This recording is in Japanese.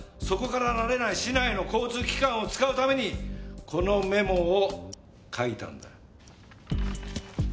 そこから慣れない市内の交通機関を使うためにこのメモを書いたんだ。